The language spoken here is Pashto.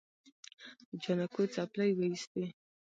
جانکو څپلۍ وېستې.